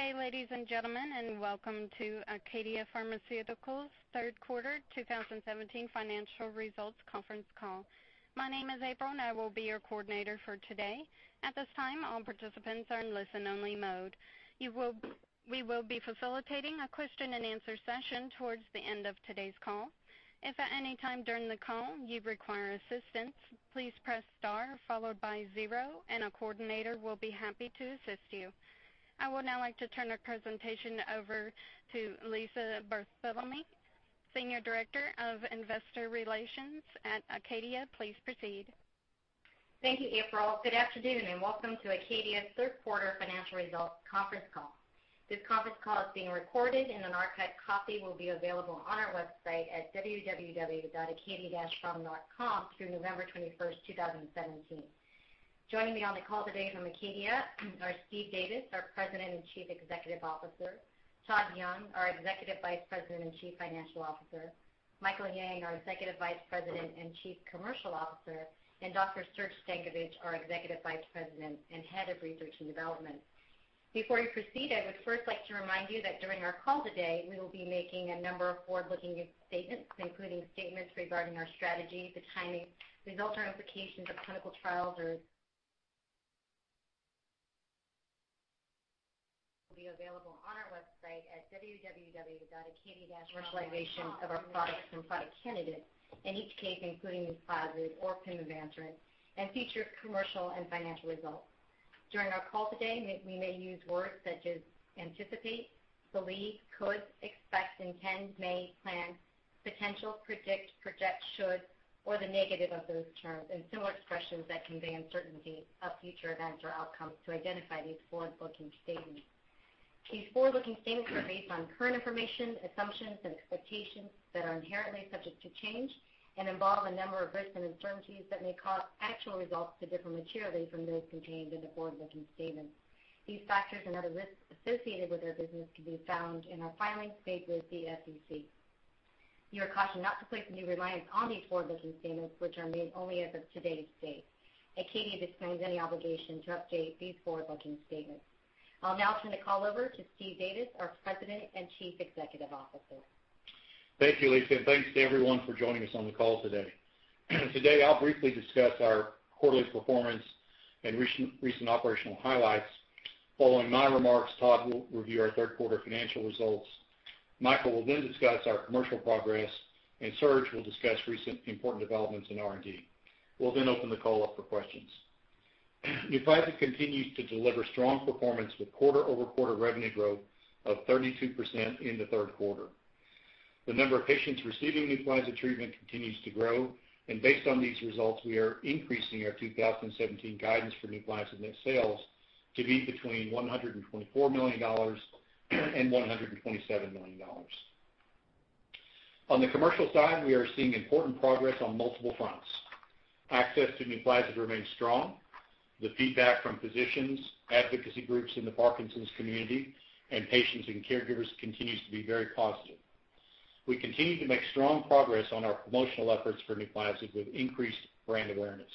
Good day, ladies and gentlemen. Welcome to ACADIA Pharmaceuticals' third quarter 2017 financial results conference call. My name is April, I will be your coordinator for today. At this time, all participants are in listen only mode. We will be facilitating a question and answer session towards the end of today's call. If at any time during the call you require assistance, please press star followed by zero, a coordinator will be happy to assist you. I would now like to turn our presentation over to Lisa Barthelemy, Senior Director of Investor Relations at ACADIA. Please proceed. Thank you, April. Good afternoon, welcome to ACADIA's third quarter financial results conference call. This conference call is being recorded, an archived copy will be available on our website at www.acadia-pharm.com through November 21st, 2017. Joining me on the call today from ACADIA are Steve Davis, our President and Chief Executive Officer; Todd Young, our Executive Vice President and Chief Financial Officer; Michael Yang, our Executive Vice President and Chief Commercial Officer; and Dr. Srdjan Stankovic, our Executive Vice President and Head of Research and Development. Before we proceed, I would first like to remind you that during our call today, we will be making a number of forward-looking statements, including statements regarding our strategy, the timing, results, or implications of clinical trials, commercialization of our products and product candidates. In each case, including NUPLAZID or pimavanserin and future commercial and financial results. During our call today, we may use words such as anticipate, believe, could, expect, intend, may, plan, potential, predict, project, should, or the negative of those terms, similar expressions that convey uncertainty of future events or outcomes to identify these forward-looking statements. These forward-looking statements are based on current information, assumptions and expectations that are inherently subject to change and involve a number of risks and uncertainties that may cause actual results to differ materially from those contained in the forward-looking statements. These factors and other risks associated with our business can be found in our filings made with the SEC. You are cautioned not to place new reliance on these forward-looking statements, which are made only as of today's date. ACADIA disclaims any obligation to update these forward-looking statements. I'll now turn the call over to Steve Davis, our President and Chief Executive Officer. Thank you, Lisa, and thanks to everyone for joining us on the call today. Today, I will briefly discuss our quarterly performance and recent operational highlights. Following my remarks, Todd will review our third quarter financial results. Michael will then discuss our commercial progress, and Serge will discuss recent important developments in R&D. We will then open the call up for questions. NUPLAZID continues to deliver strong performance with quarter-over-quarter revenue growth of 32% in the third quarter. The number of patients receiving NUPLAZID treatment continues to grow, and based on these results, we are increasing our 2017 guidance for NUPLAZID net sales to be between $124 million and $127 million. On the commercial side, we are seeing important progress on multiple fronts. Access to NUPLAZID remains strong. The feedback from physicians, advocacy groups in the Parkinson's community, and patients and caregivers continues to be very positive. We continue to make strong progress on our promotional efforts for NUPLAZID with increased brand awareness.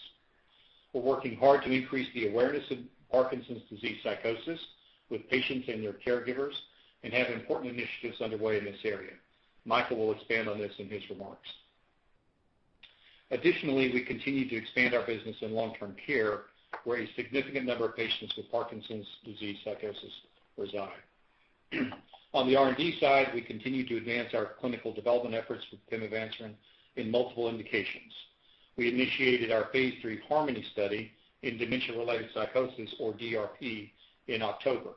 We are working hard to increase the awareness of Parkinson's disease psychosis with patients and their caregivers and have important initiatives underway in this area. Michael will expand on this in his remarks. Additionally, we continue to expand our business in long-term care, where a significant number of patients with Parkinson's disease psychosis reside. On the R&D side, we continue to advance our clinical development efforts with pimavanserin in multiple indications. We initiated our phase III HARMONY study in dementia-related psychosis, or DRP, in October.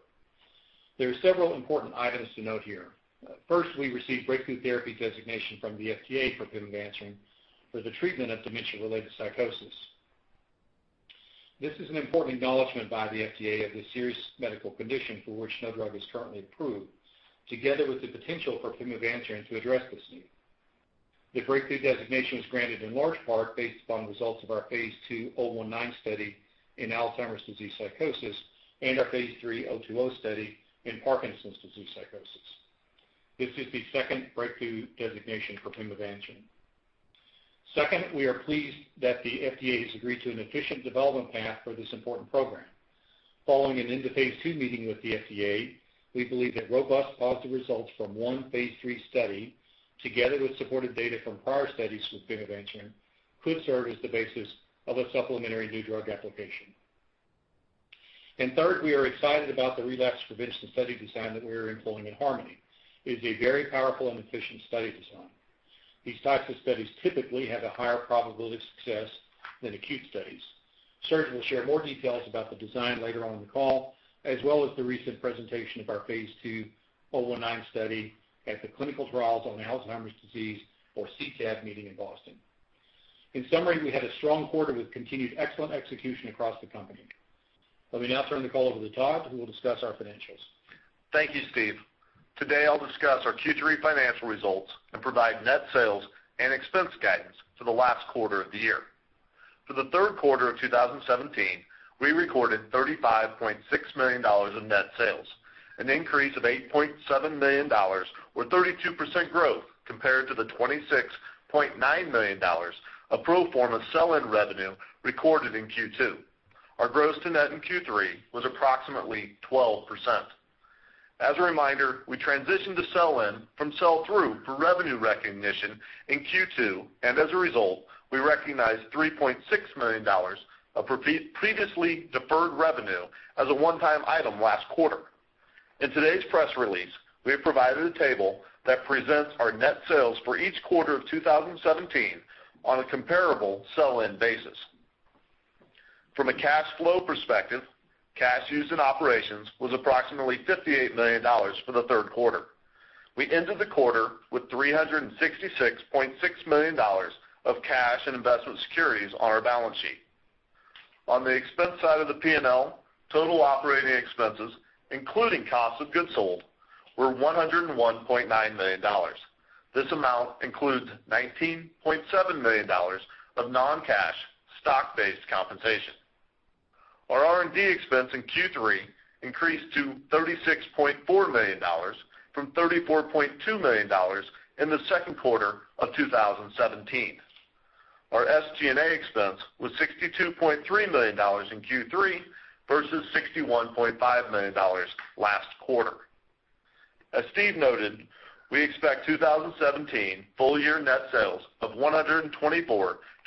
There are several important items to note here. First, we received Breakthrough Therapy Designation from the FDA for pimavanserin for the treatment of dementia-related psychosis. This is an important acknowledgement by the FDA of this serious medical condition for which no drug is currently approved, together with the potential for pimavanserin to address this need. The breakthrough designation was granted in large part based upon results of our phase II -019 Study in Alzheimer's disease psychosis and our phase III -020 Study in Parkinson's disease psychosis. This is the second breakthrough designation for pimavanserin. Second, we are pleased that the FDA has agreed to an efficient development path for this important program. Following an end-of-phase II meeting with the FDA, we believe that robust positive results from one phase III study, together with supported data from prior studies with pimavanserin, could serve as the basis of a supplemental New Drug Application. Third, we are excited about the relapse prevention study design that we are employing in HARMONY. It is a very powerful and efficient study design. These types of studies typically have a higher probability of success than acute studies. Serge will share more details about the design later on in the call, as well as the recent presentation of our phase II -019 Study at the Clinical Trials on Alzheimer's Disease, or CTAD, meeting in Boston. In summary, we had a strong quarter with continued excellent execution across the company. Let me now turn the call over to Todd, who will discuss our financials. Thank you, Steve. Today, I'll discuss our Q3 financial results and provide net sales and expense guidance for the last quarter of the year. For the third quarter of 2017, we recorded $35.6 million in net sales, an increase of $8.7 million or 32% growth Compared to the $26.9 million of pro forma sell-in revenue recorded in Q2. Our gross to net in Q3 was approximately 12%. As a reminder, we transitioned to sell-in from sell-through for revenue recognition in Q2. As a result, we recognized $3.6 million of previously deferred revenue as a one-time item last quarter. In today's press release, we have provided a table that presents our net sales for each quarter of 2017 on a comparable sell-in basis. From a cash flow perspective, cash used in operations was approximately $58 million for the third quarter. We ended the quarter with $366.6 million of cash and investment securities on our balance sheet. On the expense side of the P&L, total operating expenses, including cost of goods sold, were $101.9 million. This amount includes $19.7 million of non-cash stock-based compensation. Our R&D expense in Q3 increased to $36.4 million from $34.2 million in the second quarter of 2017. Our SG&A expense was $62.3 million in Q3 versus $61.5 million last quarter. As Steve noted, we expect 2017 full-year net sales of $124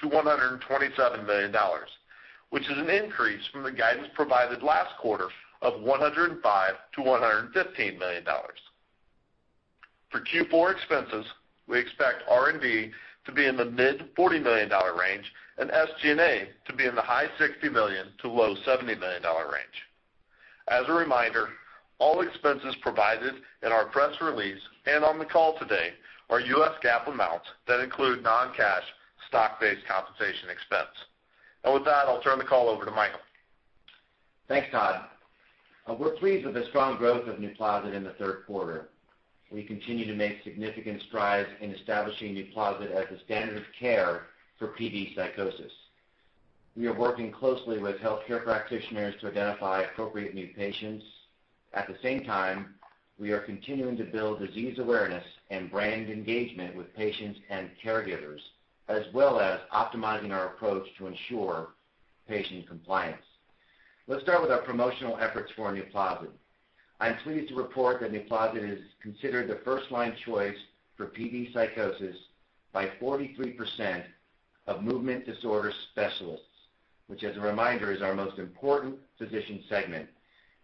million-$127 million, which is an increase from the guidance provided last quarter of $105 million-$115 million. For Q4 expenses, we expect R&D to be in the mid-$40 million range and SG&A to be in the high $60 million to low $70 million range. As a reminder, all expenses provided in our press release and on the call today are U.S. GAAP amounts that include non-cash stock-based compensation expense. With that, I'll turn the call over to Michael. Thanks, Todd. We're pleased with the strong growth of NUPLAZID in the third quarter. We continue to make significant strides in establishing NUPLAZID as the standard of care for PD psychosis. We are working closely with healthcare practitioners to identify appropriate new patients. At the same time, we are continuing to build disease awareness and brand engagement with patients and caregivers, as well as optimizing our approach to ensure patient compliance. Let's start with our promotional efforts for NUPLAZID. I'm pleased to report that NUPLAZID is considered the first-line choice for PD psychosis by 43% of movement disorder specialists, which as a reminder, is our most important physician segment.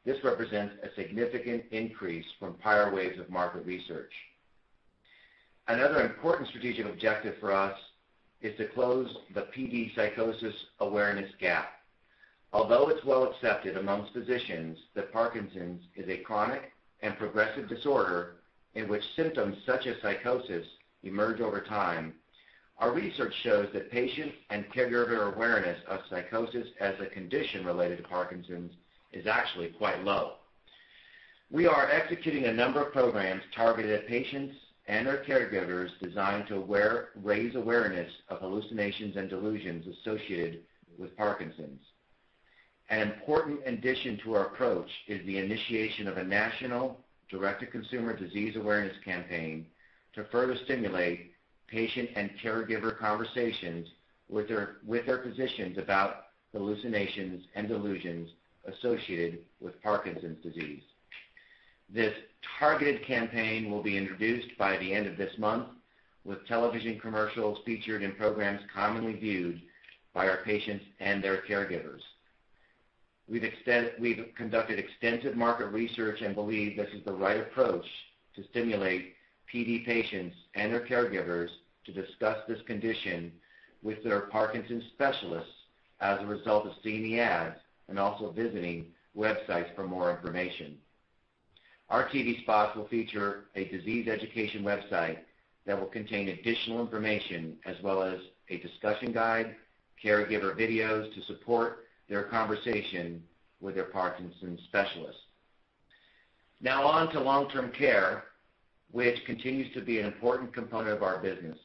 This represents a significant increase from prior waves of market research. Another important strategic objective for us is to close the PD psychosis awareness gap. Although it's well accepted amongst physicians that Parkinson's is a chronic and progressive disorder in which symptoms such as psychosis emerge over time, our research shows that patient and caregiver awareness of psychosis as a condition related to Parkinson's is actually quite low. We are executing a number of programs targeted at patients and their caregivers designed to raise awareness of hallucinations and delusions associated with Parkinson's. An important addition to our approach is the initiation of a national direct-to-consumer disease awareness campaign to further stimulate patient and caregiver conversations with their physicians about hallucinations and delusions associated with Parkinson's disease. This targeted campaign will be introduced by the end of this month, with television commercials featured in programs commonly viewed by our patients and their caregivers. We've conducted extensive market research and believe this is the right approach to stimulate PD patients and their caregivers to discuss this condition with their Parkinson's specialists as a result of seeing the ads and also visiting websites for more information. Our TV spots will feature a disease education website that will contain additional information as well as a discussion guide, caregiver videos to support their conversation with their Parkinson's specialist. On to long-term care, which continues to be an important component of our business.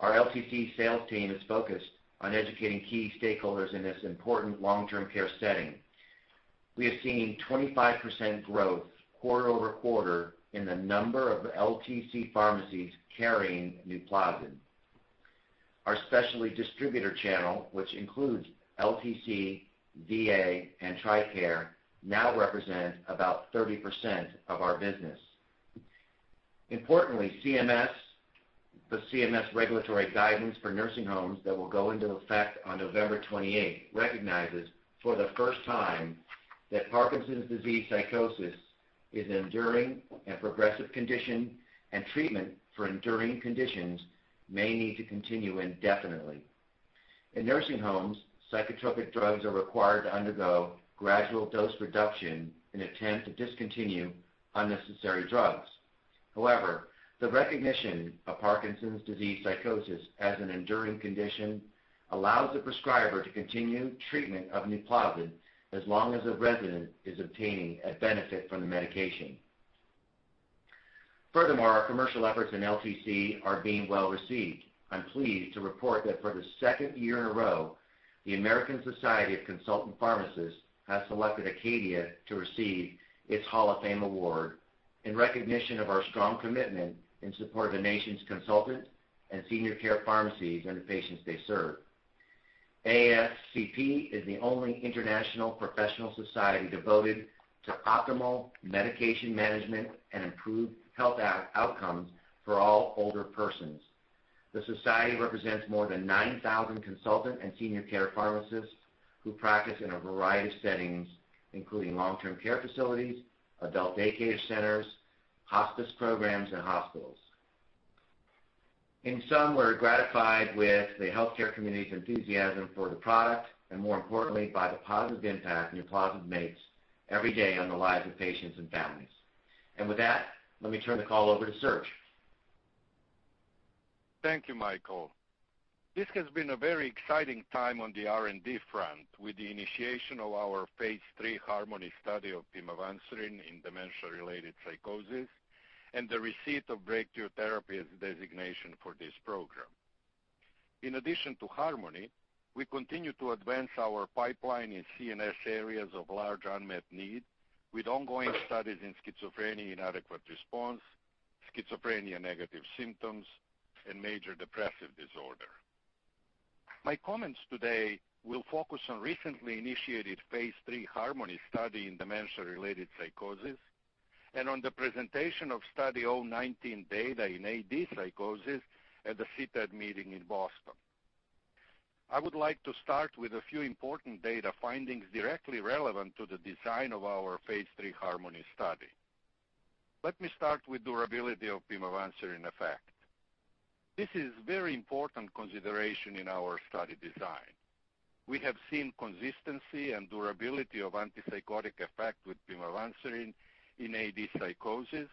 Our LTC sales team is focused on educating key stakeholders in this important long-term care setting. We have seen 25% growth quarter-over-quarter in the number of LTC pharmacies carrying NUPLAZID. Our specialty distributor channel, which includes LTC, VA, and TRICARE, now represents about 30% of our business. Importantly, the CMS regulatory guidance for nursing homes that will go into effect on November 28th recognizes for the first time that Parkinson's disease psychosis is an enduring and progressive condition, and treatment for enduring conditions may need to continue indefinitely. In nursing homes, psychotropic drugs are required to undergo gradual dose reduction in attempt to discontinue unnecessary drugs. However, the recognition of Parkinson's disease psychosis as an enduring condition allows the prescriber to continue treatment of NUPLAZID as long as the resident is obtaining a benefit from the medication. Furthermore, our commercial efforts in LTC are being well received. I'm pleased to report that for the second year in a row the American Society of Consultant Pharmacists has selected ACADIA to receive its Hall of Fame Award in recognition of our strong commitment in support of the nation's consultant and senior care pharmacies and the patients they serve. ASCP is the only international professional society devoted to optimal medication management and improved health outcomes for all older persons. The society represents more than 9,000 consultant and senior care pharmacists who practice in a variety of settings, including long-term care facilities, adult daycare centers, hospice programs, and hospitals. In sum, we're gratified with the healthcare community's enthusiasm for the product, and more importantly, by the positive impact NUPLAZID makes every day on the lives of patients and families. With that, let me turn the call over to Serge. Thank you, Michael. This has been a very exciting time on the R&D front with the initiation of our phase III HARMONY study of pimavanserin in dementia-related psychosis and the receipt of Breakthrough Therapy Designation for this program. In addition to HARMONY, we continue to advance our pipeline in CNS areas of large unmet need with ongoing studies in schizophrenia inadequate response, schizophrenia negative symptoms, and major depressive disorder. My comments today will focus on recently initiated phase III HARMONY study in dementia-related psychosis and on the presentation of Study -019 data in AD psychosis at the CTAD meeting in Boston. I would like to start with a few important data findings directly relevant to the design of our phase III HARMONY study. Let me start with durability of pimavanserin effect. This is very important consideration in our study design. We have seen consistency and durability of antipsychotic effect with pimavanserin in AD psychosis,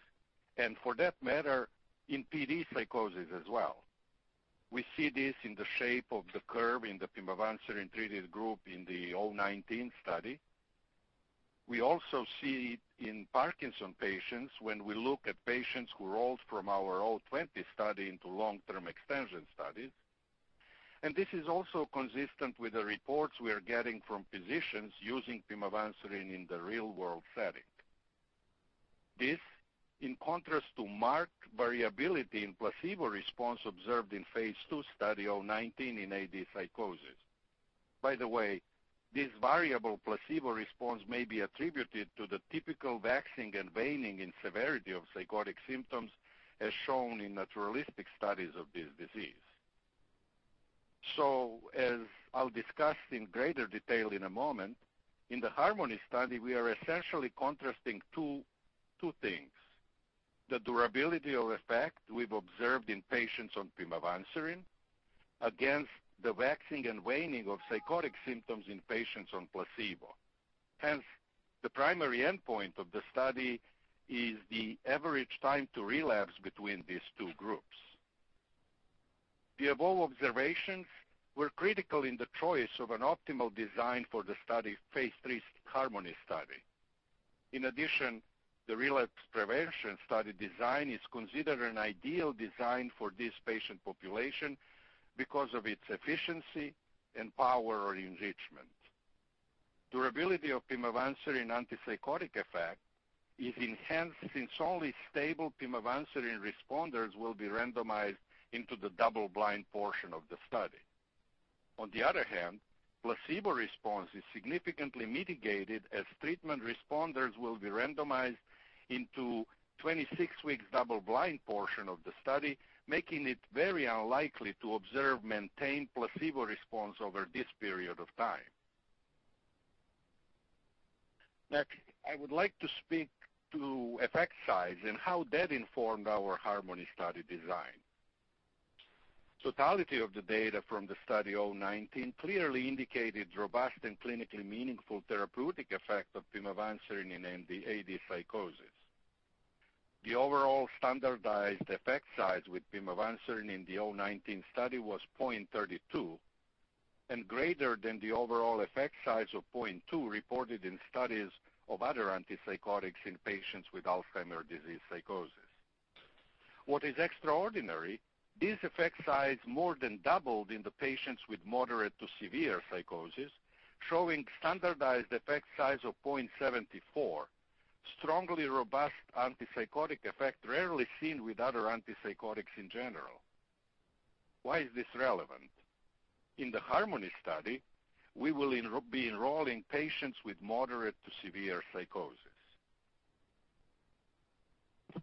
and for that matter, in PD psychosis as well. We see this in the shape of the curve in the pimavanserin-treated group in the -019 Study. We also see it in Parkinson's patients when we look at patients who rolled from our -020 Study into long-term extension studies. This is also consistent with the reports we are getting from physicians using pimavanserin in the real-world setting. This, in contrast to marked variability in placebo response observed in phase II Study -019 in AD psychosis. By the way, this variable placebo response may be attributed to the typical waxing and waning in severity of psychotic symptoms as shown in naturalistic studies of this disease. As I'll discuss in greater detail in a moment, in the HARMONY study, we are essentially contrasting two things. The durability of effect we've observed in patients on pimavanserin against the waxing and waning of psychotic symptoms in patients on placebo. Hence, the primary endpoint of the study is the average time to relapse between these two groups. The above observations were critical in the choice of an optimal design for the phase III HARMONY study. In addition, the relapse prevention study design is considered an ideal design for this patient population because of its efficiency and power or enrichment. Durability of pimavanserin antipsychotic effect is enhanced since only stable pimavanserin responders will be randomized into the double-blind portion of the study. On the other hand, placebo response is significantly mitigated as treatment responders will be randomized into 26-week double-blind portion of the study, making it very unlikely to observe maintained placebo response over this period of time. Next, I would like to speak to effect size and how that informed our HARMONY study design. Totality of the data from the Study -019 clearly indicated robust and clinically meaningful therapeutic effect of pimavanserin in AD psychosis. The overall standardized effect size with pimavanserin in the -019 Study was 0.32, and greater than the overall effect size of 0.2 reported in studies of other antipsychotics in patients with Alzheimer's disease psychosis. What is extraordinary, this effect size more than doubled in the patients with moderate to severe psychosis, showing standardized effect size of 0.74, strongly robust antipsychotic effect rarely seen with other antipsychotics in general. Why is this relevant? In the HARMONY study, we will be enrolling patients with moderate to severe psychosis.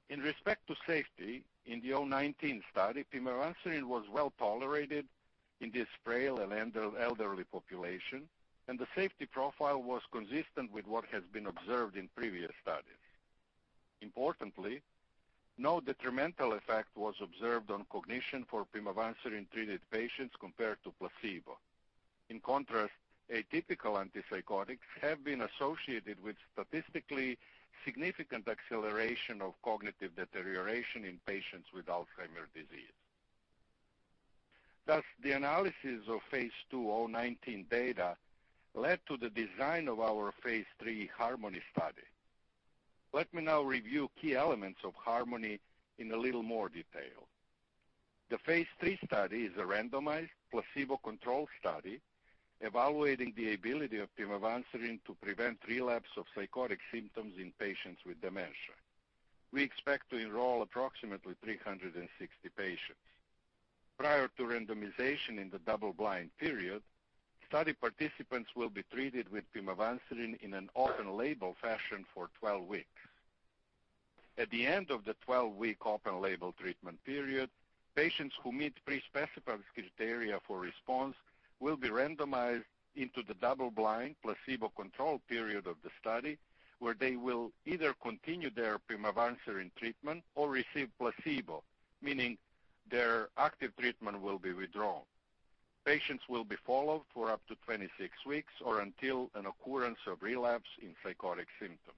In respect to safety in the -019 Study, pimavanserin was well-tolerated in this frail and elderly population, and the safety profile was consistent with what has been observed in previous studies. Importantly, no detrimental effect was observed on cognition for pimavanserin-treated patients compared to placebo. In contrast, atypical antipsychotics have been associated with statistically significant acceleration of cognitive deterioration in patients with Alzheimer's disease. Thus, the analysis of phase II -019 data led to the design of our phase III HARMONY study. Let me now review key elements of HARMONY in a little more detail. The phase III study is a randomized placebo-controlled study evaluating the ability of pimavanserin to prevent relapse of psychotic symptoms in patients with dementia. We expect to enroll approximately 360 patients. Prior to randomization in the double-blind period, study participants will be treated with pimavanserin in an open-label fashion for 12 weeks. At the end of the 12-week open-label treatment period, patients who meet pre-specified criteria for response will be randomized into the double-blind placebo-controlled period of the study, where they will either continue their pimavanserin treatment or receive placebo, meaning their active treatment will be withdrawn. Patients will be followed for up to 26 weeks or until an occurrence of relapse in psychotic symptoms.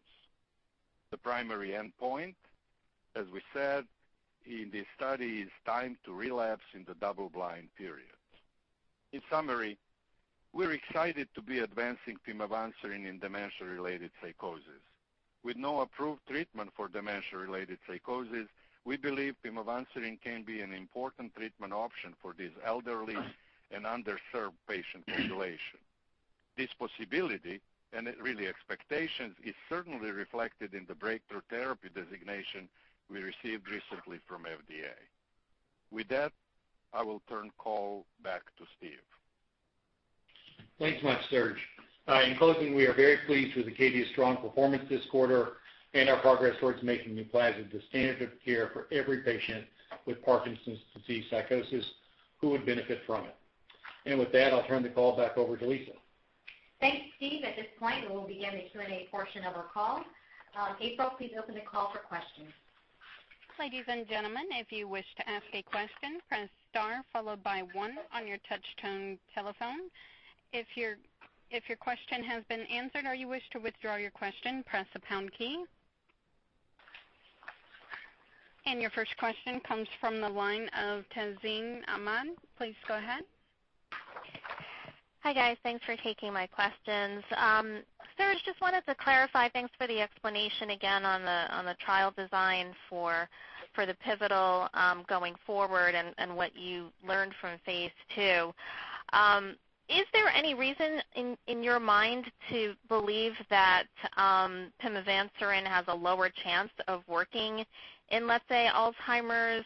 The primary endpoint, as we said, in this study is time to relapse in the double-blind periods. In summary, we're excited to be advancing pimavanserin in dementia-related psychosis. With no approved treatment for dementia-related psychosis, we believe pimavanserin can be an important treatment option for this elderly and underserved patient population. This possibility, and really expectation, is certainly reflected in the Breakthrough Therapy Designation we received recently from FDA. With that, I will turn the call back to Steve. Thanks much, Serge. In closing, we are very pleased with ACADIA's strong performance this quarter and our progress towards making NUPLAZID the standard of care for every patient with Parkinson's disease psychosis who would benefit from it. With that, I'll turn the call back over to Lisa. Thanks, Steve. At this point, we will begin the Q&A portion of our call. April, please open the call for questions. Ladies and gentlemen, if you wish to ask a question, press star followed by one on your touch tone telephone. If your question has been answered or you wish to withdraw your question, press the pound key. Your first question comes from the line of Tazeen Ahmad. Please go ahead. Hi, guys. Thanks for taking my questions. Serge, just wanted to clarify, thanks for the explanation again on the trial design for the pivotal, going forward and what you learned from phase II. Is there any reason in your mind to believe that pimavanserin has a lower chance of working in, let's say, Alzheimer's,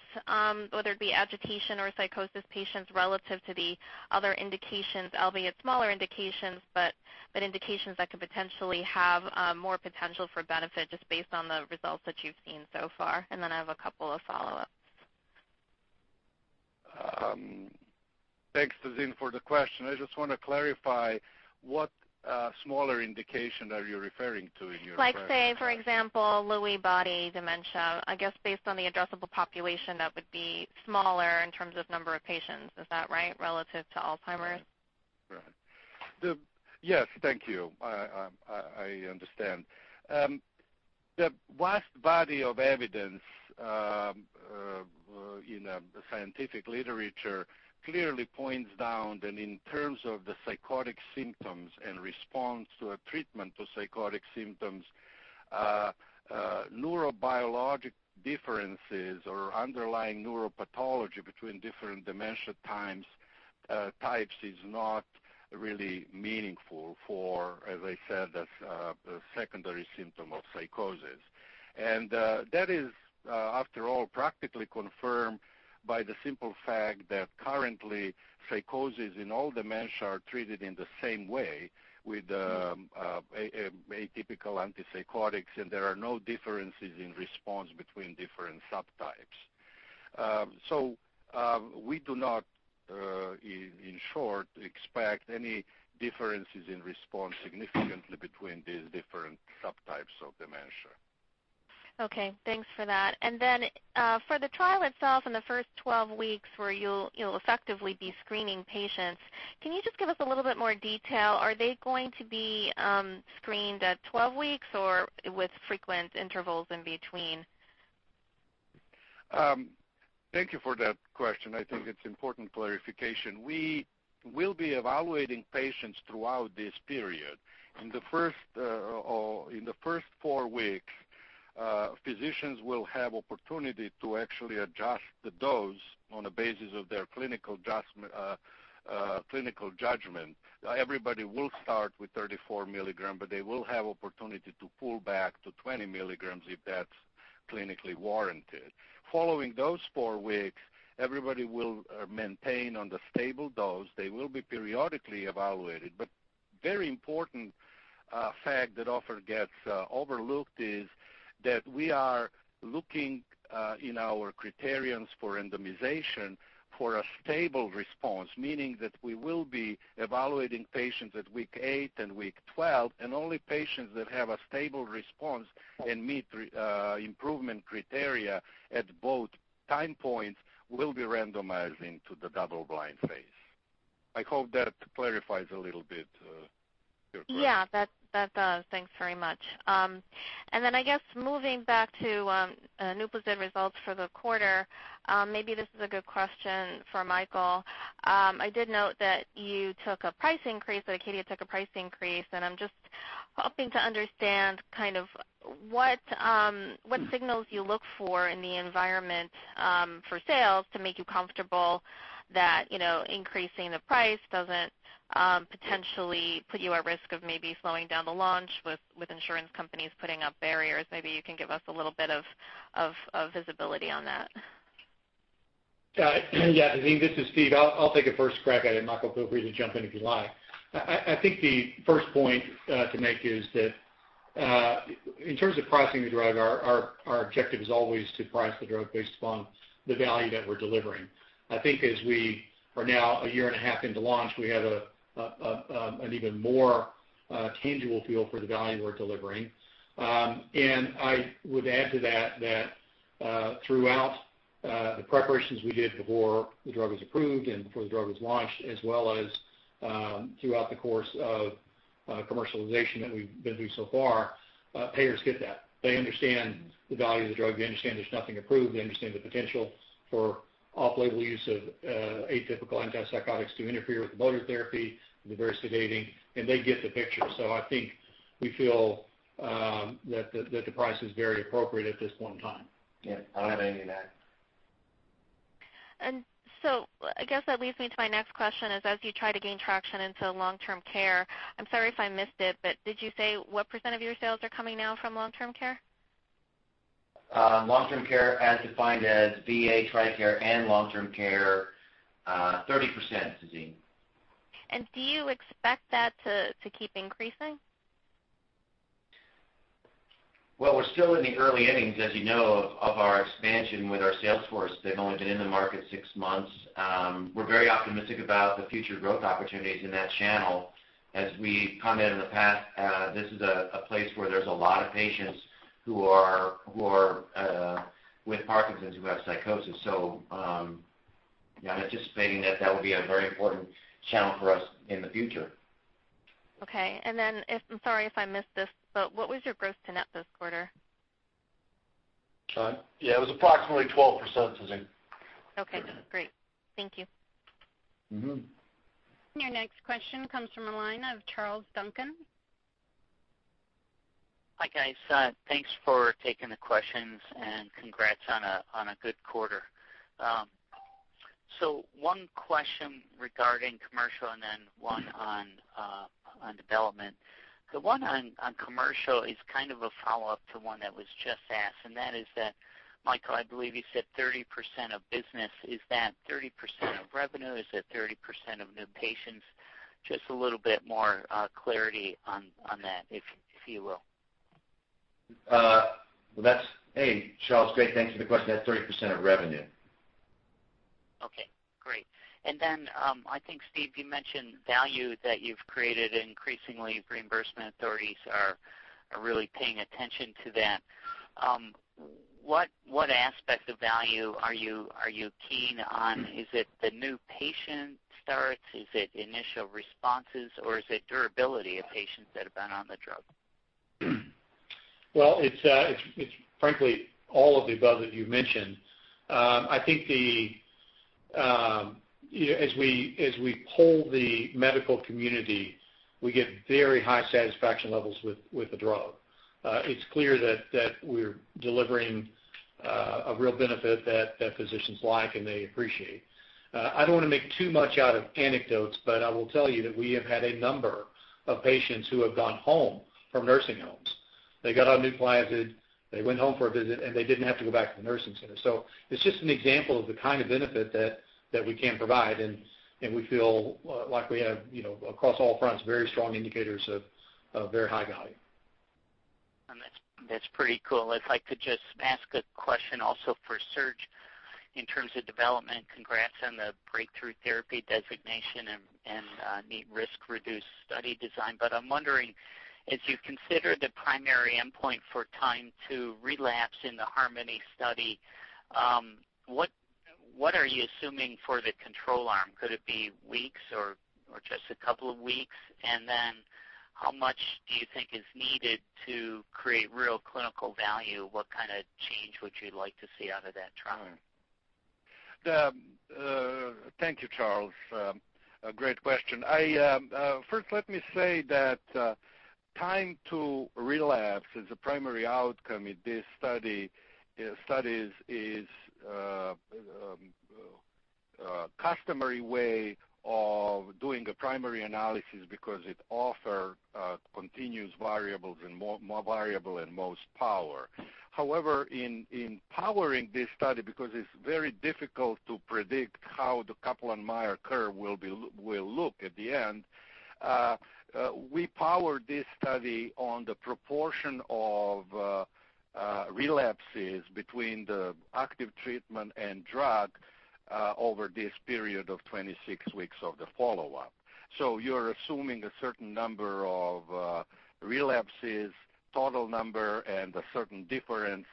whether it be agitation or psychosis patients relative to the other indications, albeit smaller indications, but indications that could potentially have more potential for benefit just based on the results that you've seen so far? I have a couple of follow-ups. Thanks, Tazeen, for the question. I just want to clarify what smaller indication are you referring to in your- Like, say, for example, Lewy body dementia. I guess based on the addressable population, that would be smaller in terms of number of patients. Is that right, relative to Alzheimer's? Right. Yes. Thank you. I understand. The vast body of evidence in the scientific literature clearly points down that in terms of the psychotic symptoms and response to a treatment to psychotic symptoms, neurobiologic differences or underlying neuropathology between different dementia types is not really meaningful for, as I said, the secondary symptom of psychosis. That is, after all, practically confirmed by the simple fact that currently, psychoses in all dementia are treated in the same way with atypical antipsychotics, and there are no differences in response between different subtypes. We do not, in short, expect any differences in response significantly between these different subtypes of dementia. Okay. Thanks for that. Then for the trial itself in the first 12 weeks where you'll effectively be screening patients, can you just give us a little bit more detail? Are they going to be screened at 12 weeks or with frequent intervals in between? Thank you for that question. I think it's important clarification. We will be evaluating patients throughout this period. In the first four weeks, physicians will have opportunity to actually adjust the dose on the basis of their clinical judgment. Everybody will start with 34 milligrams, but they will have opportunity to pull back to 20 milligrams if that's clinically warranted. Following those four weeks, everybody will maintain on the stable dose. They will be periodically evaluated, but very important fact that often gets overlooked is that we are looking in our criterions for randomization for a stable response, meaning that we will be evaluating patients at week eight and week 12, and only patients that have a stable response and meet improvement criteria at both time points will be randomized into the double-blind phase. I hope that clarifies a little bit your question. Yeah, that does. Thanks very much. Then I guess moving back to NUPLAZID results for the quarter, maybe this is a good question for Michael. I did note that you took a price increase, that ACADIA took a price increase, and I'm just hoping to understand what signals you look for in the environment for sales to make you comfortable that increasing the price doesn't potentially put you at risk of maybe slowing down the launch with insurance companies putting up barriers. Maybe you can give us a little bit of visibility on that. Yeah, Tazeen, this is Steve. I'll take a first crack at it. Michael, feel free to jump in if you like. I think the first point to make is that in terms of pricing the drug, our objective is always to price the drug based upon the value that we're delivering. I think as we are now a year and a half into launch, we have an even more tangible feel for the value we're delivering. I would add to that throughout the preparations we did before the drug was approved and before the drug was launched, as well as throughout the course of commercialization that we've been through so far, payers get that. They understand the value of the drug. They understand there's nothing approved. They understand the potential for off-label use of atypical antipsychotics to interfere with the motor therapy and the very sedating. They get the picture. I think we feel that the price is very appropriate at this point in time. Yeah, I don't have anything to add. I guess that leads me to my next question is, as you try to gain traction into long-term care, I'm sorry if I missed it, but did you say what % of your sales are coming now from long-term care? Long-term care as defined as VA, TRICARE, and long-term care, 30%, Tazeen. Do you expect that to keep increasing? Well, we're still in the early innings, as you know, of our expansion with our sales force. They've only been in the market six months. We're very optimistic about the future growth opportunities in that channel. As we commented in the past, this is a place where there's a lot of patients who are with Parkinson's who have psychosis, so I'm anticipating that that will be a very important channel for us in the future. Okay, I'm sorry if I missed this, but what was your gross-to-net this quarter? Yeah, it was approximately 12%, Tazeen. Okay, great. Thank you. Your next question comes from the line of Charles Duncan. Hi, guys. Thanks for taking the questions and congrats on a good quarter. One question regarding commercial and then one on development. The one on commercial is kind of a follow-up to one that was just asked, and that is that, Michael, I believe you said 30% of business. Is that 30% of revenue? Is it 30% of new patients? Just a little bit more clarity on that, if you will. Hey, Charles. Great. Thanks for the question. That's 30% of revenue. Okay, great. I think, Steve, you mentioned value that you've created, increasingly reimbursement authorities are really paying attention to that. What aspect of value are you keen on? Is it the new patient starts? Is it initial responses, or is it durability of patients that have been on the drug? Well, it's frankly all of the above that you mentioned. I think as we poll the medical community, we get very high satisfaction levels with the drug. It's clear that we're delivering a real benefit that physicians like, and they appreciate. I don't want to make too much out of anecdotes, but I will tell you that we have had a number of patients who have gone home from nursing homes. They got on NUPLAZID, they went home for a visit, and they didn't have to go back to the nursing center. It's just an example of the kind of benefit that we can provide, and we feel like we have, across all fronts, very strong indicators of very high value. That's pretty cool. If I could just ask a question also for Serge in terms of development. Congrats on the Breakthrough Therapy Designation and neat risk-reduced study design. I'm wondering, as you consider the primary endpoint for time to relapse in the HARMONY study, what are you assuming for the control arm? Could it be weeks or just a couple of weeks? How much do you think is needed to create real clinical value? What kind of change would you like to see out of that trial? Thank you, Charles. A great question. First, let me say that time to relapse is a primary outcome in this study. Studies is a customary way of doing a primary analysis because it offers continuous variables and more variable and most power. However, in powering this study, because it's very difficult to predict how the Kaplan-Meier curve will look at the end, we powered this study on the proportion of relapses between the active treatment and drug over this period of 26 weeks of the follow-up. You're assuming a certain number of relapses, total number, and a certain difference.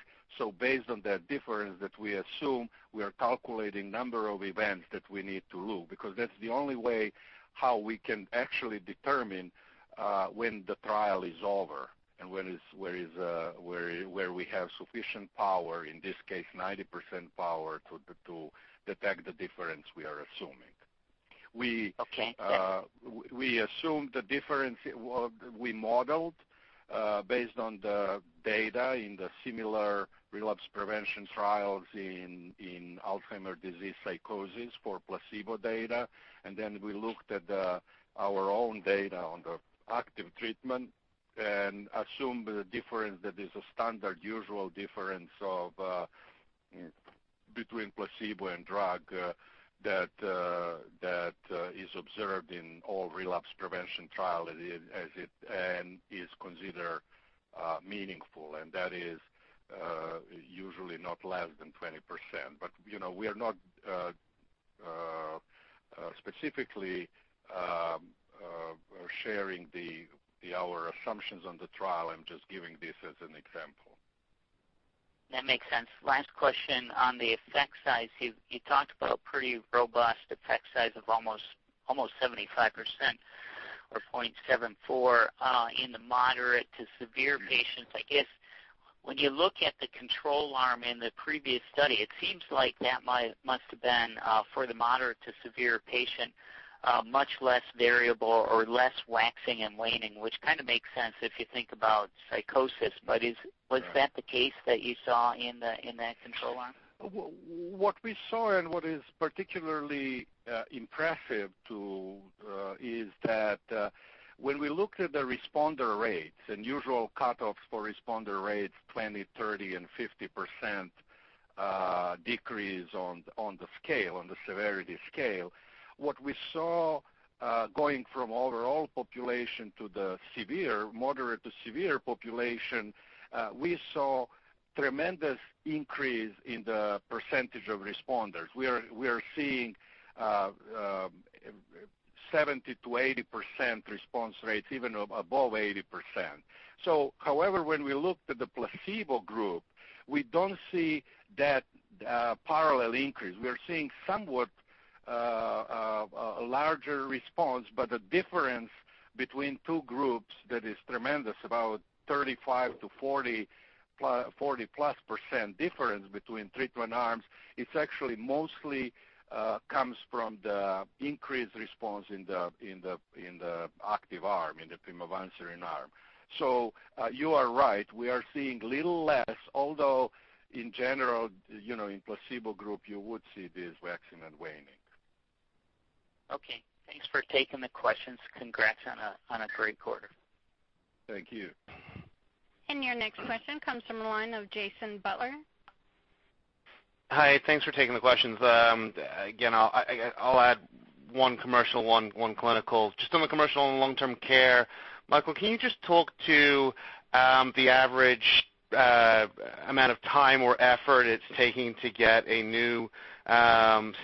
Based on that difference that we assume, we are calculating number of events that we need to look because that's the only way how we can actually determine when the trial is over and where we have sufficient power, in this case, 90% power to detect the difference we are assuming. Okay, yeah we assumed we modeled based on the data in the similar relapse prevention trials in Alzheimer's disease psychosis for placebo data. We looked at our own data on the active treatment and assumed the difference that is a standard usual difference between placebo and drug that is observed in all relapse prevention trial and is considered meaningful, and that is usually not less than 20%. We are not specifically sharing our assumptions on the trial. I'm just giving this as an example. That makes sense. Last question on the effect size. You talked about pretty robust effect size of almost 75% or 0.74 in the moderate to severe patients. I guess, when you look at the control arm in the previous study, it seems like that must have been for the moderate to severe patient, much less variable or less waxing and waning, which kind of makes sense if you think about psychosis. Was that the case that you saw in that control arm? What we saw, and what is particularly impressive too is that when we looked at the responder rates and usual cutoffs for responder rates 20%, 30%, and 50% decrease on the severity scale, what we saw going from overall population to the moderate to severe population we saw tremendous increase in the percentage of responders. We are seeing 70%-80% response rates, even above 80%. However, when we look at the placebo group, we don't see that parallel increase. We are seeing somewhat a larger response, but the difference between two groups that is tremendous, about 35%-40% plus difference between treatment arms, it's actually mostly comes from the increased response in the active arm, in the pimavanserin arm. You are right. We are seeing little less, although in general, in placebo group, you would see this waxing and waning. Okay. Thanks for taking the questions. Congrats on a great quarter. Thank you. Your next question comes from the line of Jason Butler. Hi. Thanks for taking the questions. Again, I'll add one commercial, one clinical. Just on the commercial and long-term care, Michael, can you just talk to the average amount of time or effort it's taking to get a new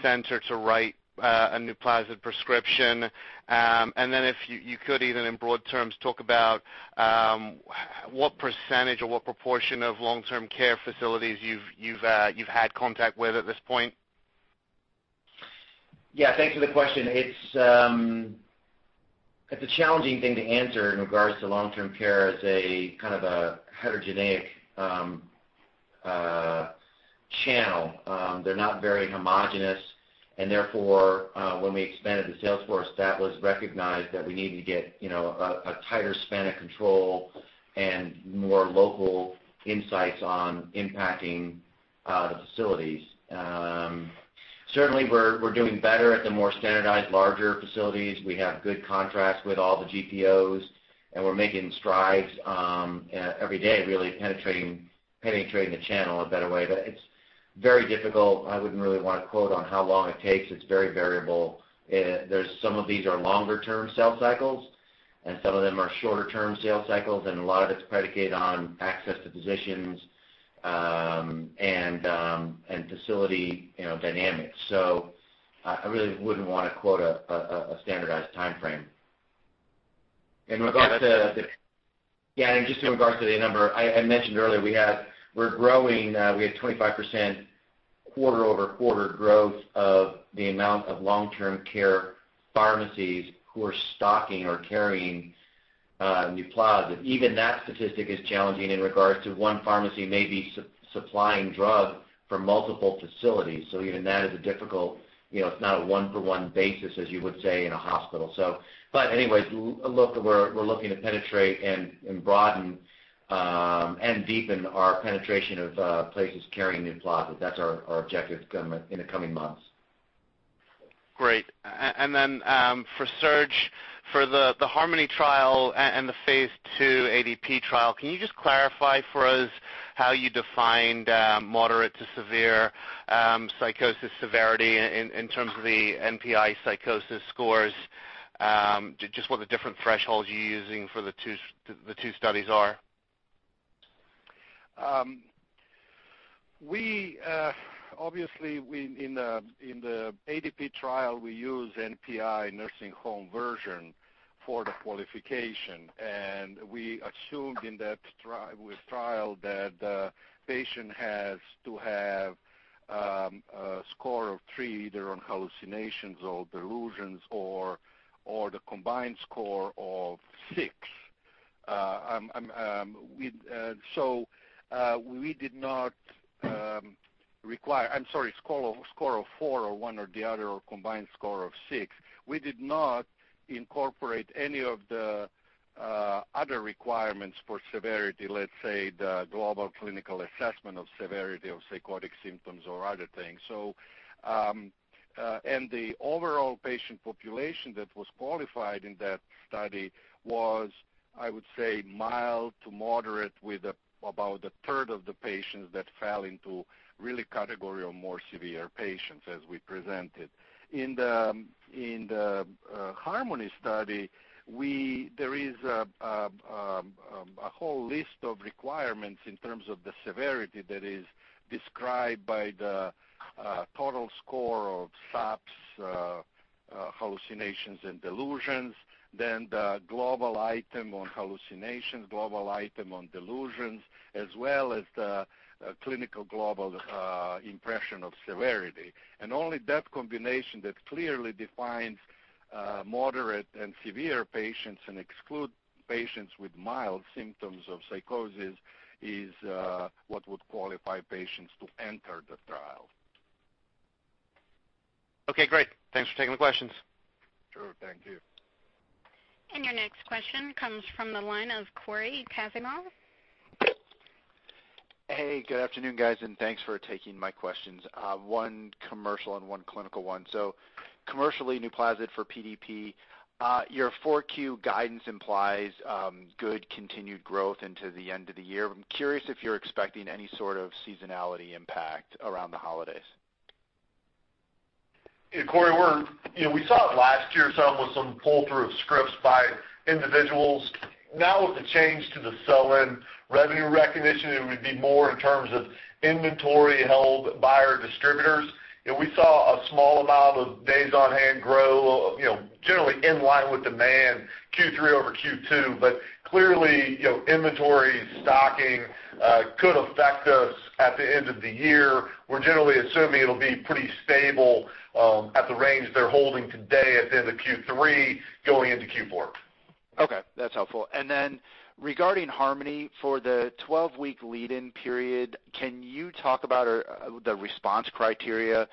center to write a NUPLAZID prescription? If you could even in broad terms, talk about what % or what proportion of long-term care facilities you've had contact with at this point. Yeah, thanks for the question. It's a challenging thing to answer in regards to long-term care as a kind of a heterogeneous channel. They're not very homogeneous. Therefore, when we expanded the sales force, that was recognized that we needed to get a tighter span of control and more local insights on impacting the facilities. Certainly, we're doing better at the more standardized, larger facilities. We have good contracts with all the GPOs, and we're making strides every day, really penetrating the channel a better way. It's very difficult. I wouldn't really want to quote on how long it takes. It's very variable. Some of these are longer-term sales cycles, and some of them are shorter-term sales cycles, and a lot of it's predicated on access to physicians and facility dynamics. I really wouldn't want to quote a standardized timeframe. In regards to the number I mentioned earlier, we're growing. We had 25% quarter-over-quarter growth of the amount of long-term care pharmacies who are stocking or carrying NUPLAZID. Even that statistic is challenging in regards to one pharmacy may be supplying drug for multiple facilities. Even that is a difficult, it's not a one-for-one basis as you would say in a hospital. Anyway, look, we're looking to penetrate and broaden and deepen our penetration of places carrying NUPLAZID. That's our objective in the coming months. Great. Then for Serge, for the HARMONY trial and the phase II ADP trial, can you just clarify for us how you defined moderate to severe psychosis severity in terms of the NPI psychosis scores? Just what the different thresholds you're using for the two studies are. Obviously, in the ADP trial, we use NPI nursing home version for the qualification, we assumed with trial that the patient has to have a score of three either on hallucinations or delusions or the combined score of six. We did not require I'm sorry, score of four or one or the other, or combined score of six. We did not incorporate any of the other requirements for severity, let's say, the global clinical assessment of severity of psychotic symptoms or other things. The overall patient population that was qualified in that study was, I would say, mild to moderate, with about a third of the patients that fell into really category of more severe patients as we presented. In the HARMONY study, there is a whole list of requirements in terms of the severity that is described by the total score of SAPS, hallucinations and delusions, then the global item on hallucinations, global item on delusions, as well as the Clinical Global Impression of severity. Only that combination that clearly defines moderate and severe patients and excludes patients with mild symptoms of psychosis is what would qualify patients to enter the trial. Okay, great. Thanks for taking the questions. Sure. Thank you. Your next question comes from the line of Cory Kasimov. Hey, good afternoon, guys, and thanks for taking my questions. One commercial and one clinical one. Commercially, NUPLAZID for PDP. Your four Q guidance implies good continued growth into the end of the year. I'm curious if you're expecting any sort of seasonality impact around the holidays. Yeah, Cory, we saw it last year some with some pull-through of scripts by individuals. Now with the change to the sell-in revenue recognition, it would be more in terms of inventory held by our distributors. We saw a small amount of days on hand grow, generally in line with demand Q3 over Q2. Clearly, inventory stocking could affect us at the end of the year. We're generally assuming it'll be pretty stable at the range they're holding today at the end of Q3 going into Q4. That's helpful. Regarding HARMONY for the 12-week lead-in period, can you talk about the response criteria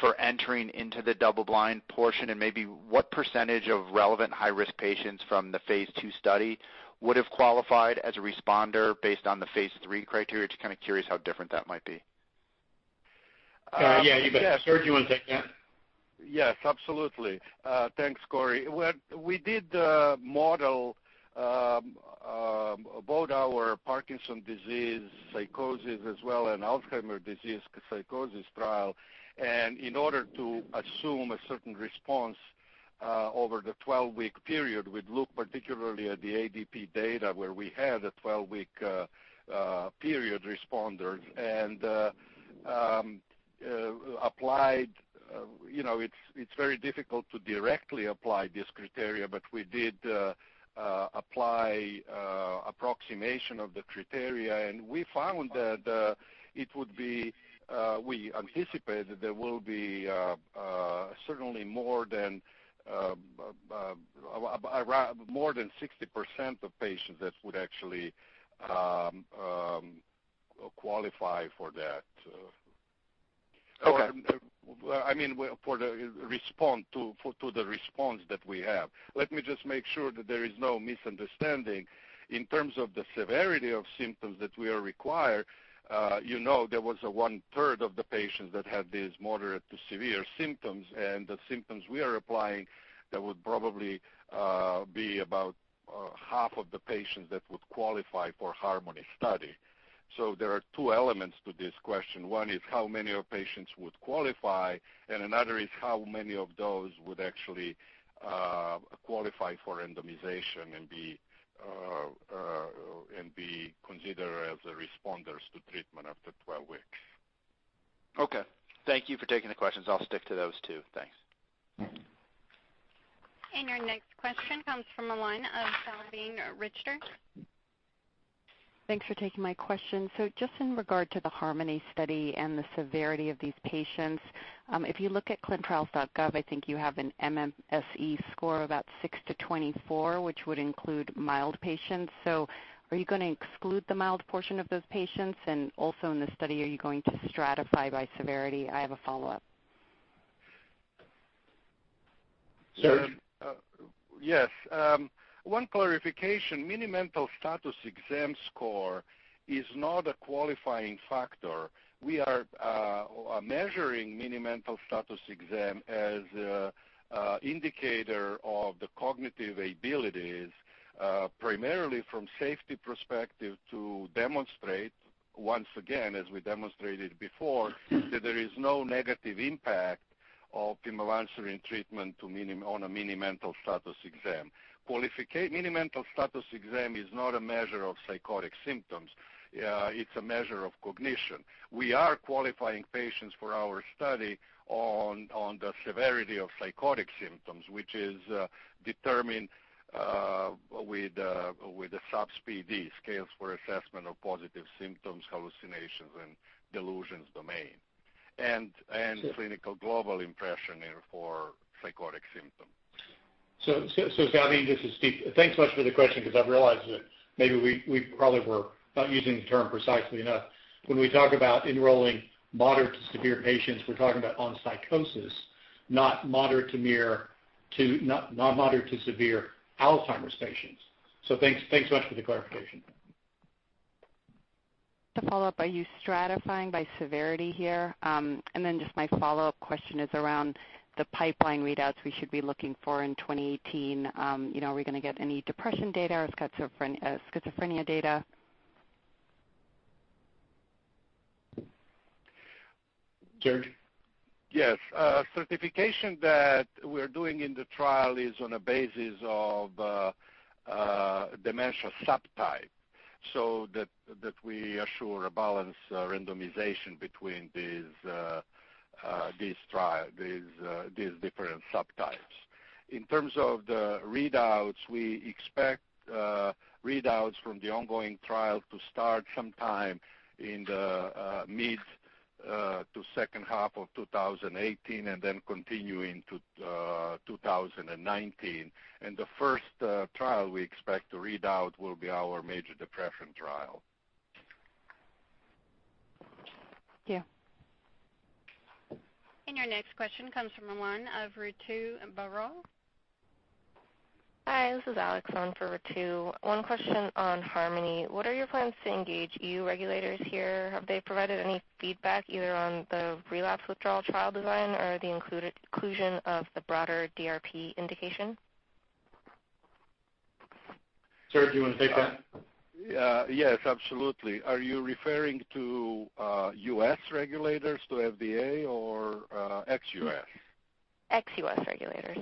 for entering into the double-blind portion? Maybe what percentage of relevant high-risk patients from the phase II study would have qualified as a responder based on the phase III criteria? Just kind of curious how different that might be. Yeah, you bet. Serge, you want to take that? Yes, absolutely. Thanks, Cory. We did model both our Parkinson's disease psychosis as well an Alzheimer's disease psychosis trial. In order to assume a certain response over the 12-week period, we'd look particularly at the ADP data where we had a 12-week period responder and applied. It's very difficult to directly apply this criteria, we did apply approximation of the criteria, we found that we anticipated there will be certainly more than 60% of patients that would actually qualify for that. Okay. I mean, to the response that we have. Let me just make sure that there is no misunderstanding. In terms of the severity of symptoms that we require, you know there was one-third of the patients that had these moderate to severe symptoms, the symptoms we are applying, that would probably be about half of the patients that would qualify for the HARMONY study. There are two elements to this question. One is how many patients would qualify, another is how many of those would actually qualify for randomization and be considered as responders to treatment after 12 weeks. Okay. Thank you for taking the questions. I'll stick to those two. Thanks. Your next question comes from the line of Salveen Richter. Thanks for taking my question. Just in regard to the HARMONY study and the severity of these patients, if you look at ClinicalTrials.gov, I think you have an MMSE score of about six-24, which would include mild patients. Are you going to exclude the mild portion of those patients? Also in the study, are you going to stratify by severity? I have a follow-up. Serge? Yes. One clarification, Mini-Mental Status Exam score is not a qualifying factor. We are measuring Mini-Mental Status Exam as an indicator of the cognitive abilities, primarily from safety perspective to demonstrate, once again, as we demonstrated before, that there is no negative impact of pimavanserin treatment on a Mini-Mental Status Exam. Mini-Mental Status Exam is not a measure of psychotic symptoms. It's a measure of cognition. We are qualifying patients for our study on the severity of psychotic symptoms, which is determined with the SAPS-PD, Scale for the Assessment of Positive Symptoms, Hallucinations, and Delusions domain. Clinical Global Impression for psychotic symptoms. Salveen, this is Steve. Thanks so much for the question because I've realized that maybe we probably were not using the term precisely enough. When we talk about enrolling moderate to severe patients, we're talking about on psychosis, not moderate to severe Alzheimer's patients. Thanks much for the clarification. To follow up, are you stratifying by severity here? Just my follow-up question is around the pipeline readouts we should be looking for in 2018. Are we going to get any depression data or schizophrenia data? Srdjan? Yes. (Certification) that we're doing in the trial is on a basis of dementia subtype, so that we assure a balanced randomization between these different subtypes. In terms of the readouts, we expect readouts from the ongoing trial to start sometime in the mid to second half of 2018, and then continuing to 2019. The first trial we expect to read out will be our major depression trial. Thank you. Your next question comes from the line of Ritu Baral. Hi, this is Alex, line for Ritu. One question on HARMONY. What are your plans to engage EU regulators here? Have they provided any feedback either on the relapse withdrawal trial design or the inclusion of the broader DRP indication? Serge, do you want to take that? Yes, absolutely. Are you referring to U.S. regulators, to FDA, or ex-U.S.? Ex-U.S. regulators.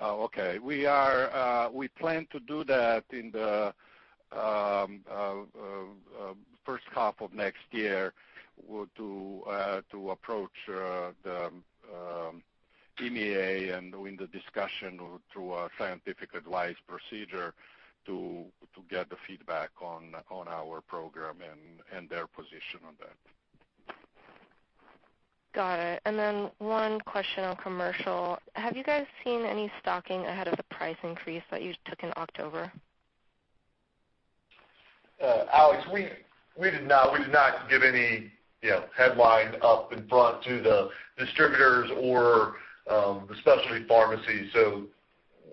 Okay. We plan to do that in the first half of next year to approach the EMA in the discussion through a scientific advice procedure to get the feedback on our program and their position on that. Got it. Then one question on commercial. Have you guys seen any stocking ahead of the price increase that you took in October? Alex, we did not give any headline up in front to the distributors or the specialty pharmacy.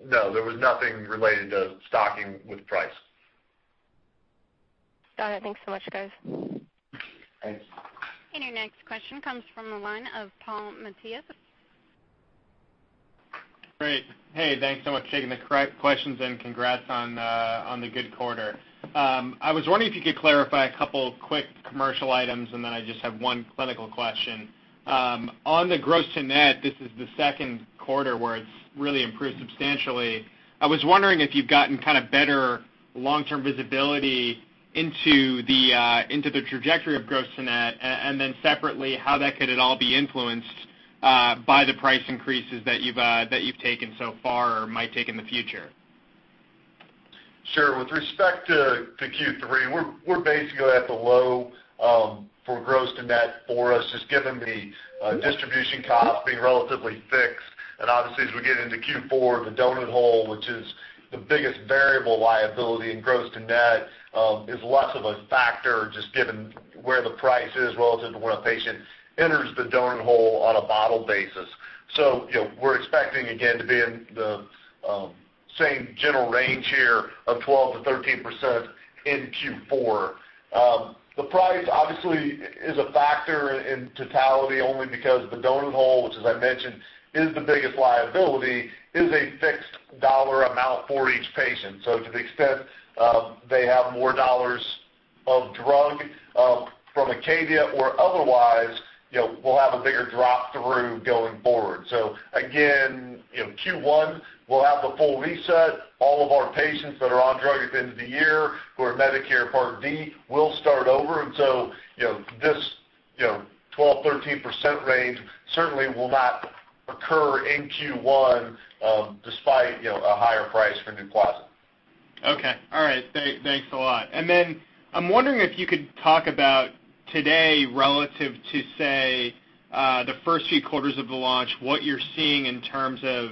No, there was nothing related to stocking with price. Got it. Thanks so much, guys. Thanks. Your next question comes from the line of Paul Matteis. Great. Hey, thanks so much for taking the questions and congrats on the good quarter. I was wondering if you could clarify a couple of quick commercial items, then I just have one clinical question. On the gross to net, this is the second quarter where it's really improved substantially. I was wondering if you've gotten better long-term visibility into the trajectory of gross to net, then separately, how that could at all be influenced by the price increases that you've taken so far or might take in the future. Sure. With respect to Q3, we're basically at the low for gross to net for us, just given the distribution costs being relatively fixed. Obviously, as we get into Q4, the donut hole, which is the biggest variable liability in gross to net, is less of a factor just given where the price is relative to when a patient enters the donut hole on a bottle basis. We're expecting, again, to be in the same general range here of 12%-13% in Q4. The price obviously is a factor in totality only because the donut hole, which as I mentioned, is the biggest liability, is a fixed dollar amount for each patient. To the extent they have more dollars of drug from ACADIA Pharmaceuticals or otherwise, we'll have a bigger drop through going forward. Again, Q1, we'll have the full reset. All of our patients that are on drug at the end of the year who are Medicare Part D will start over. This 12%-13% range certainly will not occur in Q1 despite a higher price for NUPLAZID. Okay. All right. Thanks a lot. I'm wondering if you could talk about today relative to, say, the first few quarters of the launch, what you're seeing in terms of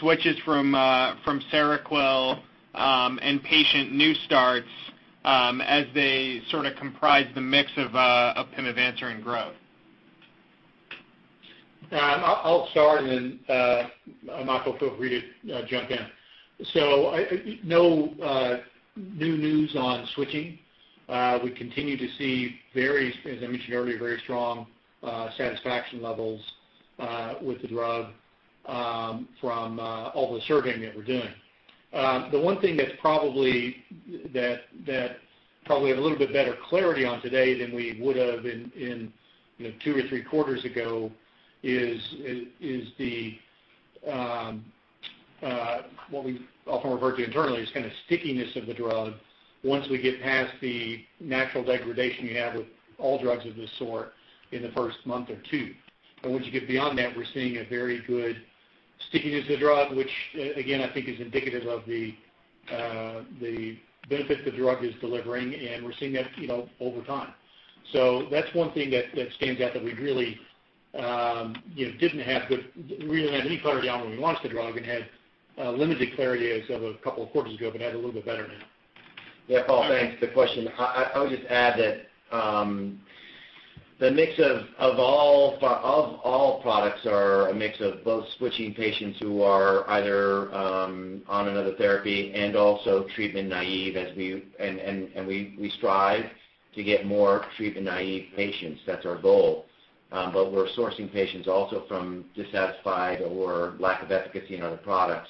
switches from Seroquel and patient new starts as they sort of comprise the mix of pimavanserin growth. I'll start. Michael, feel free to jump in. No new news on switching. We continue to see, as I mentioned earlier, very strong satisfaction levels with the drug from all the surveying that we're doing. The one thing that probably we have a little bit better clarity on today than we would have two or three quarters ago what we often refer to internally as kind of stickiness of the drug once we get past the natural degradation you have with all drugs of this sort in the first month or two. Once you get beyond that, we're seeing a very good Stickiness of the drug, which again, I think is indicative of the benefits the drug is delivering, and we're seeing that over time. That's one thing that stands out that we really didn't have any clarity on when we launched the drug and had limited clarity as of a couple of quarters ago, but have a little bit better now. Yeah, Paul, thanks. Good question. I would just add that the mix of all products are a mix of both switching patients who are either on another therapy and also treatment-naive, and we strive to get more treatment-naive patients. That's our goal. We're sourcing patients also from dissatisfied or lack of efficacy in other products.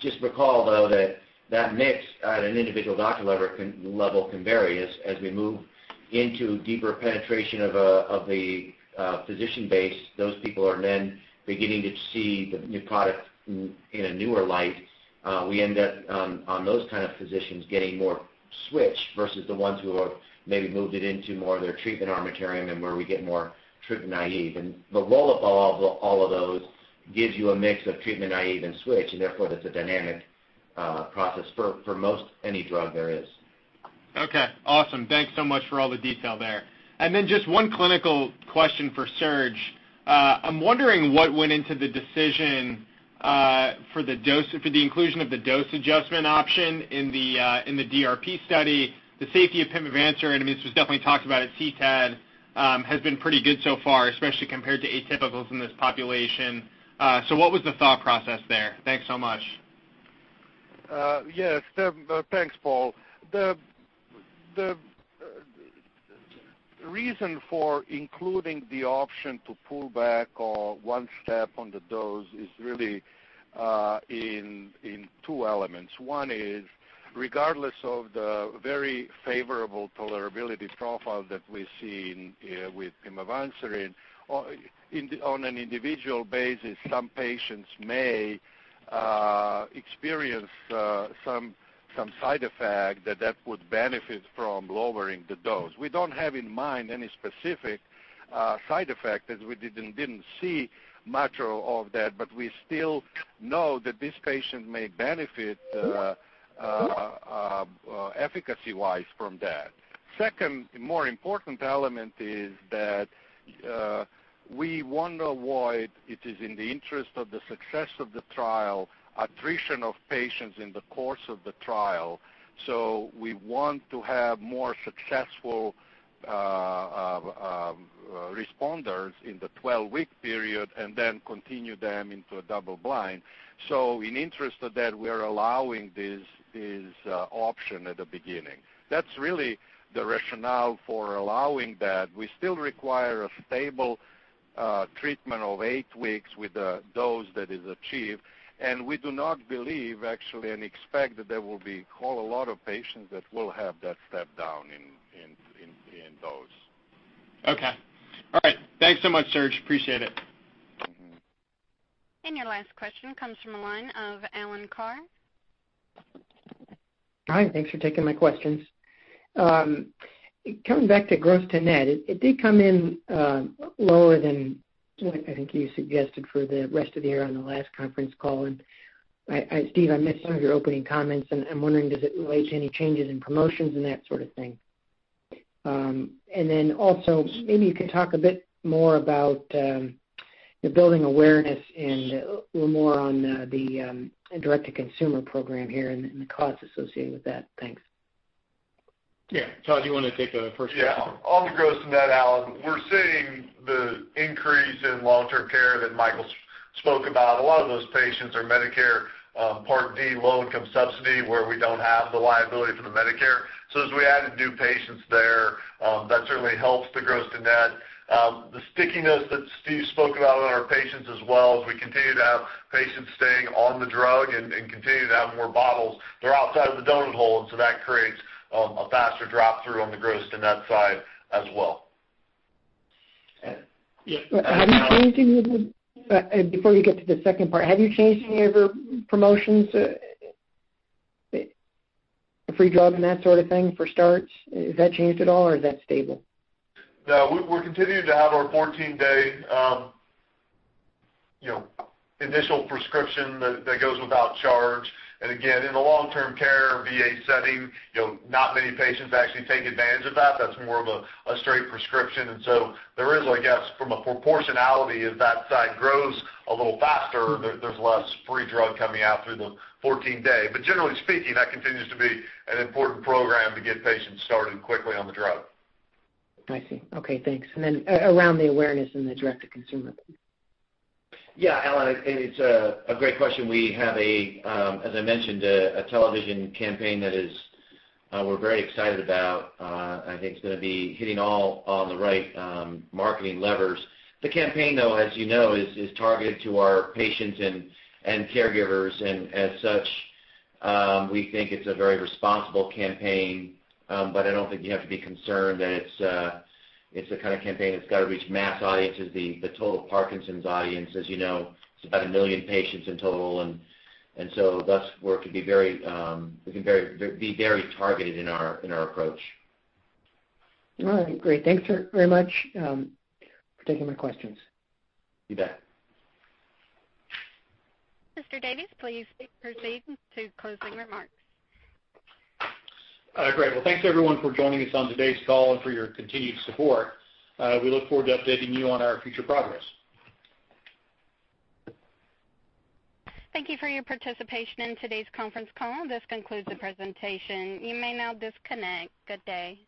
Just recall, though, that that mix at an individual doctor level can vary as we move into deeper penetration of the physician base. Those people are then beginning to see the new product in a newer light. We end up on those kind of physicians getting more switch versus the ones who have maybe moved it into more of their treatment armamentarium and where we get more treatment-naive. The roll-up of all of those gives you a mix of treatment-naive and switch, and therefore, that's a dynamic process for most any drug there is. Okay, awesome. Thanks so much for all the detail there. Then just one clinical question for Serge. I'm wondering what went into the decision for the inclusion of the dose adjustment option in the DRP study. The safety of pimavanserin, I mean, this was definitely talked about at CTAD, has been pretty good so far, especially compared to atypicals in this population. What was the thought process there? Thanks so much. Yes. Thanks, Paul. The reason for including the option to pull back or one step on the dose is really in two elements. One is regardless of the very favorable tolerability profile that we see with pimavanserin, on an individual basis, some patients may experience some side effect that would benefit from lowering the dose. We don't have in mind any specific side effect, as we didn't see much of that, but we still know that this patient may benefit efficacy-wise from that. Second, more important element is that we want to avoid, it is in the interest of the success of the trial, attrition of patients in the course of the trial. We want to have more successful responders in the 12-week period then continue them into a double blind. In interest of that, we're allowing this option at the beginning. That's really the rationale for allowing that. We still require a stable treatment of eight weeks with a dose that is achieved. We do not believe, actually, and expect that there will be whole lot of patients that will have that step down in dose. Okay. All right. Thanks so much, Serge. Appreciate it. Your last question comes from the line of Alan Carr. Hi, thanks for taking my questions. Coming back to gross to net, it did come in lower than what I think you suggested for the rest of the year on the last conference call. Steve, I missed some of your opening comments, and I'm wondering does it relate to any changes in promotions and that sort of thing? Then also, maybe you could talk a bit more about building awareness and a little more on the direct-to-consumer program here and the costs associated with that. Thanks. Yeah. Todd, do you want to take the first crack at that? Yeah. On the gross to net, Alan, we're seeing the increase in long-term care that Michael spoke about. A lot of those patients are Medicare Part D Low-Income Subsidy, where we don't have the liability for the Medicare. As we add new patients there, that certainly helps the gross to net. The stickiness that Steve spoke about with our patients as well, as we continue to have patients staying on the drug and continue to have more bottles, they're outside of the donut hole, that creates a faster drop through on the gross to net side as well. Have you changed any of your promotions, free drug and that sort of thing for starts? Has that changed at all or is that stable? No, we're continuing to have our 14-day initial prescription that goes without charge. Again, in the long-term care VA setting, not many patients actually take advantage of that. That's more of a straight prescription. There is, I guess, from a proportionality, as that side grows a little faster, there's less free drug coming out through the 14-day. Generally speaking, that continues to be an important program to get patients started quickly on the drug. I see. Okay, thanks. Then around the awareness and the direct-to-consumer. Yeah, Alan, it's a great question. We have a, as I mentioned, a television campaign that we're very excited about. I think it's going to be hitting all on the right marketing levers. The campaign, though, as you know, is targeted to our patients and caregivers. As such, we think it's a very responsible campaign. I don't think you have to be concerned that it's a kind of campaign that's got to reach mass audiences. The total Parkinson's audience, as you know, it's about a million patients in total. Thus, we can be very targeted in our approach. All right, great. Thanks very much for taking my questions. You bet. Mr. Davis, please proceed to closing remarks. Great. Well, thanks everyone for joining us on today's call and for your continued support. We look forward to updating you on our future progress. Thank you for your participation in today's conference call. This concludes the presentation. You may now disconnect. Good day.